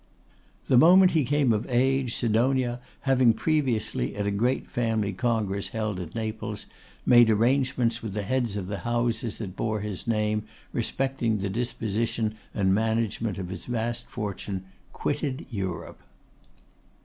The moment he came of age, Sidonia having previously, at a great family congress held at Naples, made arrangements with the heads of the houses that bore his name respecting the disposition and management of his vast fortune, quitted Europe.